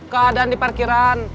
keadaan di parkiran